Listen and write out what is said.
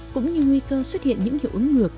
cũng như nguy cơ xuất hiện những hiệu ứng ngược